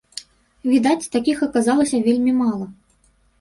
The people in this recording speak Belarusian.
Відаць, такіх аказалася вельмі мала.